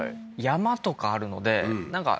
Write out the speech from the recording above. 山とかあるのでなんか